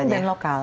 asing dan lokal